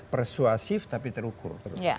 persuasif tapi terukur